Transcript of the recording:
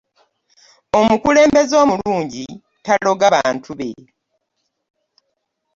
omukulembeze omulungi taloga bantu bbe